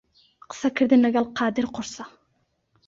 قسەکردن لەگەڵ قادر قورسە.